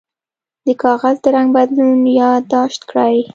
د کاغذ د رنګ بدلون یاد داشت کړئ.